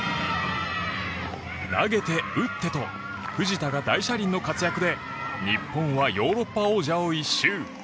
投げて打ってと藤田が大車輪の活躍で日本はヨーロッパ王者を一蹴。